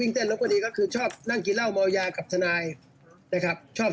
แล้วก็อยู่ระหว่างการร่วมรวมันอยากถ่ายนะครับ